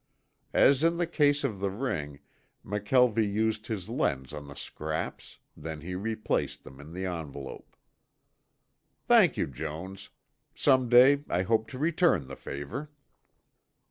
As in the case of the ring, McKelvie used his lens on the scraps, then he replaced them in the envelope. "Thank you, Jones. Some day I hope to return the favor."